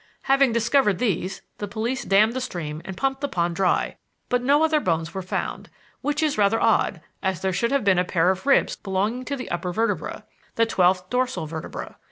Having discovered these, the police dammed the stream and pumped the pond dry, but no other bones were found; which is rather odd, as there should have been a pair of ribs belonging to the upper vertebra the twelfth dorsal vertebra.